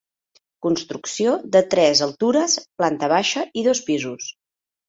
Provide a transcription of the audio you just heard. Construcció de tres altures, planta baixa i dos pisos.